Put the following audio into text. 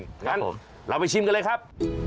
เราก็ไปชิมกันเลยครับ